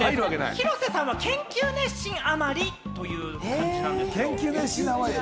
広瀬さんが研究熱心なあまりという感じなんです。